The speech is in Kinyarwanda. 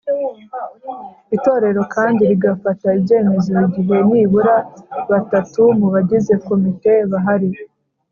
Itorero kandi rigafata ibyemezo igihe nibura batatu mu bagize komite bahari